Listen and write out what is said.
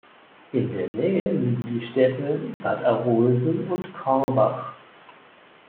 In der Nähe liegen die Städte Bad Arolsen und Korbach.